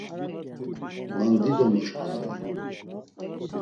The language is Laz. Man dido moşkurini.